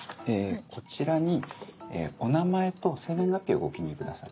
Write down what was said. こちらにお名前と生年月日をご記入ください。